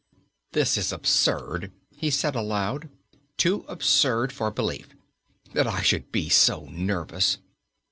"This is absurd," he said aloud; "too absurd for belief that I should be so nervous!